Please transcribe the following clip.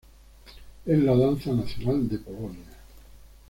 Es la danza nacional de Polonia.